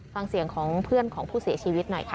ฟังเสียงของเพื่อนของผู้เสียชีวิตหน่อยค่ะ